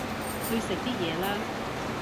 去食啲嘢啦